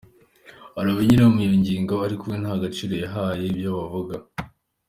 Hari abiyamirije iyo ngingo, ariko we nta gaciro yahaye ivyo bavuga.